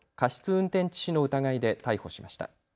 運転致死の疑いで逮捕しました。